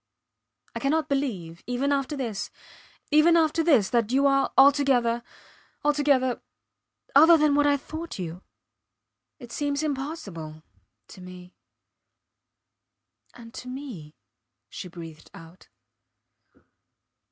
I cannot believe even after this even after this that you are altogether altogether ... other than what I thought you. It seems impossible to me. And to me, she breathed out.